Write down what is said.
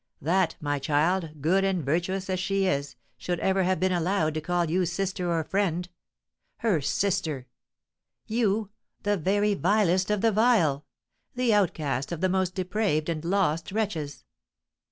That my child, good and virtuous as she is, should ever have been allowed to call you sister or friend. Her sister! You the very vilest of the vile! the outcast of the most depraved and lost wretches!